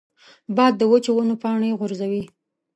باد د وچو ونو پاڼې غورځوي